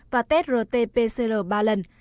và test rt pcr ba lần